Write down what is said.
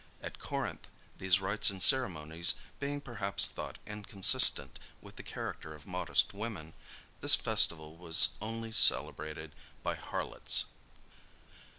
At Corinth, these rites and ceremonies, being perhaps thought inconsistent with the character of modest women, this festival was only celebrated by harlots.